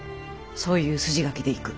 そういう筋書きでいく。